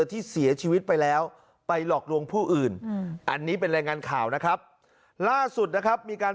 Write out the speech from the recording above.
ที่เสียชีวิตไปแล้วไปหลอกลวงผู้อื่นอันนี้เป็นแรงงานข่าวนะครับ